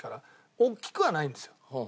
大きくはないんですよ。